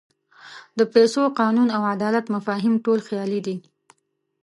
د پیسو، قانون او عدالت مفاهیم ټول خیالي دي.